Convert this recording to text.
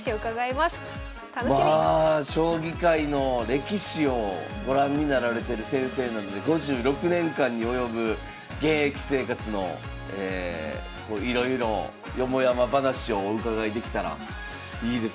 将棋界の歴史をご覧になられてる先生なので５６年間に及ぶ現役生活のいろいろをよもやま話をお伺いできたらいいです。